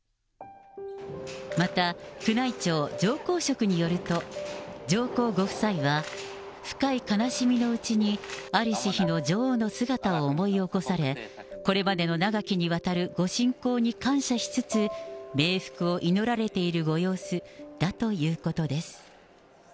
また、宮内庁上皇職によると、上皇ご夫妻は深い悲しみのうちに在りし日の女王の姿を思い起こされ、これまでの長きにわたるご親交に感謝しつつ、冥福を祈られているご様子だということです。